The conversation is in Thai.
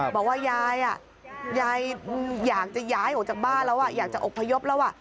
บอกว่ายายยายอยากจะย้ายออกจากบ้านแล้วอยากจะอบพยพแล้ว